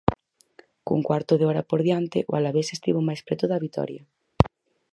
Cun cuarto de hora por diante o Alavés estivo máis preto da vitoria.